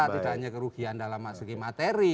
tidak hanya kerugian dalam segi materi